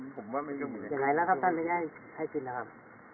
ผมว่ามันก็เหมือนอย่างไรแล้วครับท่านพระเย้ยให้กินแล้วครับ